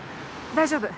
大丈夫。